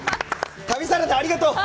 旅サラダありがとう！